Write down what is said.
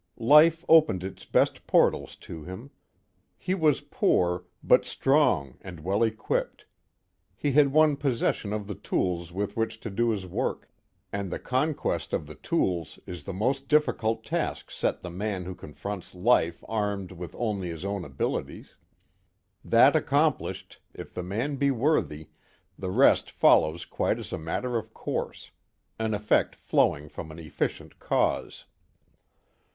Life opened its best portals to him. He was poor, but strong and well equipped. He had won possession of the tools with which to do his work; and the conquest of the tools is the most difficult task set the man who confronts life armed only with his own abilities. That accomplished, if the man be worthy, the rest follows quite as a matter of course, an effect flowing from an efficient cause.